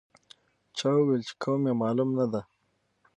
چا وویل چې قوم یې معلوم نه دی.